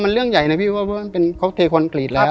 มันเรื่องใหญ่นะพี่เพราะว่ามันเป็นครบเทคอนกรีตแล้ว